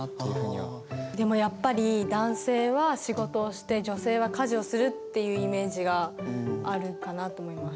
でもやっぱり「男性は仕事をして女性は家事をする」っていうイメージがあるかなと思います。